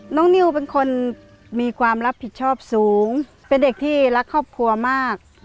นิวเป็นคนมีความรับผิดชอบสูงเป็นเด็กที่รักครอบครัวมาก